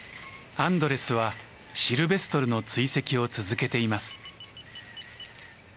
アンドレスはシルベストルの追跡を続けています。